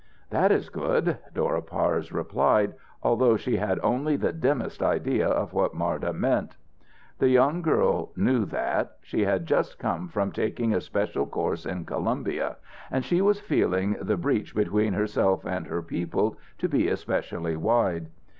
"That is good," Dora Parse replied, although she had only the dimmest idea of what Marda meant. The young girl knew that. She had just come from taking a special course in Columbia, and she was feeling the breach between herself and her people to be especially wide.